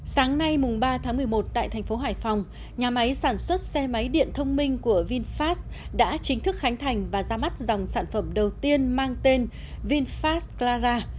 sáng nay mùng ba tháng một mươi một tại thành phố hải phòng nhà máy sản xuất xe máy điện thông minh của vinfast đã chính thức khánh thành và ra mắt dòng sản phẩm đầu tiên mang tên vinfast plara